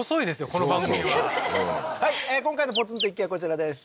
この番組ははい今回のポツンと一軒家こちらです